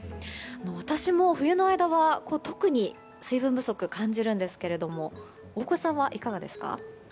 私も冬の間は特に水分不足を感じるんですが大越さんはいかがですか？